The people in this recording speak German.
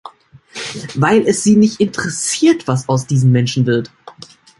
Weil es Sie nicht interessiert, was aus diesen Menschen wird.